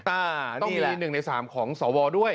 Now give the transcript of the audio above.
ต้องมี๑ใน๓ของสวด้วย